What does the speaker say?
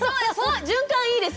循環いいですね。